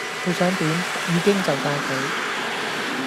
佢想點已經就哂佢